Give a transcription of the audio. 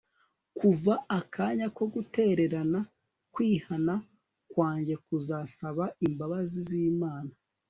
kuva akanya ko gutererana, kwihana kwanjye kuzasaba imbabazi z'imana